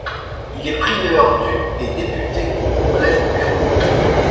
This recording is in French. Il est prieur du et député au Congrès du Pérou.